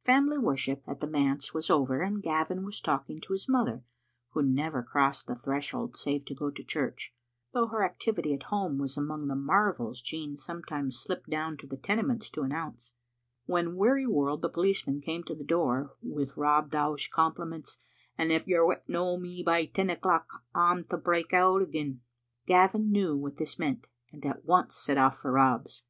Family worship at the manse was over and Gavin was talking to his mother, who never crossed the threshold save to go to church (though her activity at home was among the marvels Jean some times slipped down to the Tenements to announce), when Wearyworld the policeman came to the door "with Rob Dow's compliments, and if you're no wi' me by ten o'clock I'm to break out again." Gavin knew what this meant, and at once set off for Rob's.